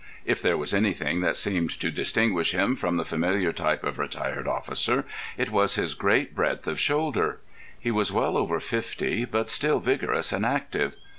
If there was anything that seemed to distinguish him from the familiar type of retired officer, it was his great breadth of shoulder. He was well over fifty, but still vigorous and active.